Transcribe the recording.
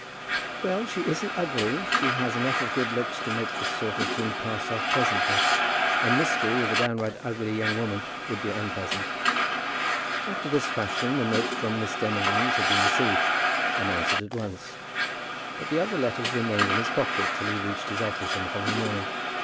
"Well; she isn't ugly. She has just enough of good looks to make the sort of thing pass off pleasantly. A mystery with a downright ugly young woman would be unpleasant." After this fashion the note from Miss Demolines had been received, and answered at once, but the other letters remained in his pocket till he reached his office on the following morning.